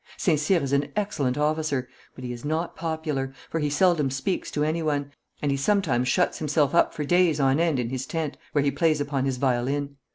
St. Cyr is an excellent officer, but he is not popular, for he seldom speaks to anyone, and he sometimes shuts himself up for days on end in his tent, where he plays upon his violin.